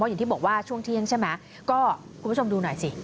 อย่างที่บอกว่าช่วงเที่ยงใช่ไหมก็คุณผู้ชมดูหน่อยสิ